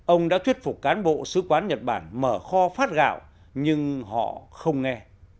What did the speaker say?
ông đã thuyết phục cán bộ sứ quán nhật bản mở kho phát gạo nhưng họ không nghe